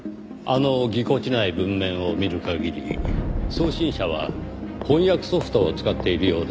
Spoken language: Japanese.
あのぎこちない文面を見る限り送信者は翻訳ソフトを使っているようですねぇ。